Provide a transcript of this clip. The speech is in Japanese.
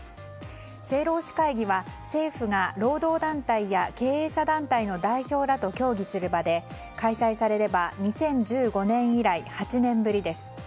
政労使会議は政府が労働団体や経営者団体の代表らと協議する場で開催されれば２０１５年以来８年ぶりです。